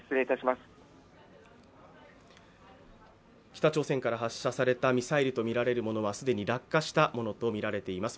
北朝鮮から発射されたミサイルは既に落下したものとみられています。